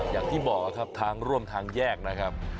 อย่างที่บอกครับทางร่วมทางแยกนะครับ